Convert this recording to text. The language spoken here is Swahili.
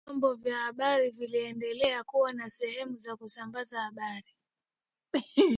Vyombo vya habari viliendelea kuwa na sehemu za kusambaza habari